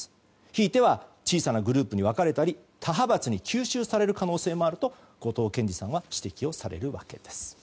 ひいては小さなグループに分かれたり他派閥に吸収される可能性もあると後藤謙次さんは指摘をされるわけです。